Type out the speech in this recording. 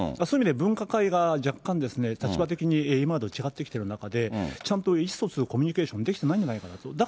そういう意味で分科会が若干、立場的に今までと違ってきている中で、ちゃんと意思疎通、コミュニケーション、できてないのかなと。